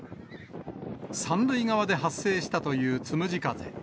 ３塁側で発生したというつむじ風。